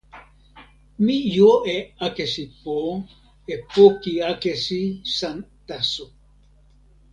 mi jo e akesi po, e poki akesi san taso.